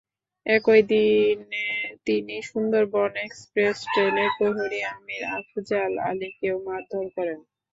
একই দিনে তিনি সুন্দরবন এক্সপ্রেস ট্রেনের প্রহরী আমির আফজাল আলীকেও মারধর করেন।